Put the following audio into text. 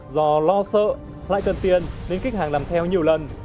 do lo sợ lại cần tiền nên khách hàng làm theo nhiều lần